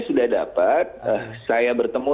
sudah dapat saya bertemu